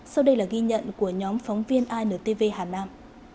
sau đây là ghi nhận của nhóm phóng viên intv hà nam